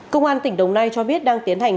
công an tỉnh đồng nai cho biết đang tiến hành